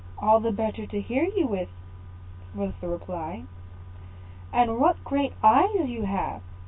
"All the better to hear you with," was the reply. "And what great eyes you have!"